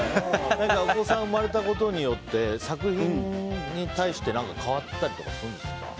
お子さんが生まれたことによって作品に対して何か変わったりとかするんですか？